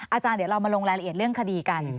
อาจารย์เดี๋ยวเรามาลงรายละเอียดเรื่องคดีกัน